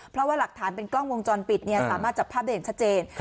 เพราะว่าหลักฐานเป็นกล้องวงจรปิดสามารถจับภาพได้อย่างชัดเจน